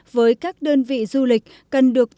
với các đơn vị du lịch cần được tạo ra